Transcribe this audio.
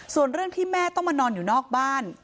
ส่วนเรื่องที่แม่ต้องมานอนอยู่นอกบ้าน